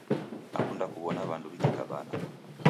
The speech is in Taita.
Nadakunda kuwona wandu wikikabana